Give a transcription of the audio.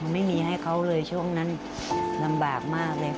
ไม่มีให้เขาเลยช่วงนั้นลำบากมากเลย